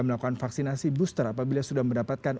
melakukan vaksinasi booster apabila sudah mendapatkan